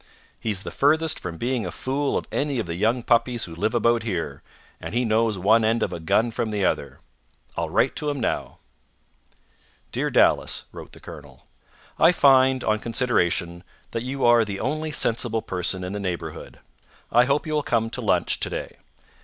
He's the furthest from being a fool of any of the young puppies who live about here, and he knows one end of a gun from the other. I'll write to him now." "Dear Dallas" (wrote the colonel), "I find, on consideration, that you are the only sensible person in the neighbourhood. I hope you will come to lunch to day.